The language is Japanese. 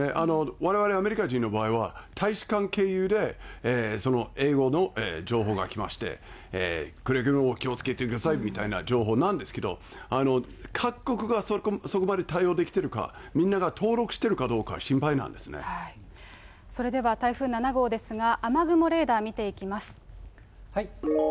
われわれアメリカ人の場合は、大使館経由で英語の情報が来まして、くれぐれも気をつけてくださいみたいな情報なんですけど、各国がそこまで対応できてるか、みんなが登録してるかどうか、それでは、台風７号ですが、雨雲レーダー、見ていきます。